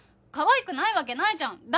かわいくないわけないじゃん。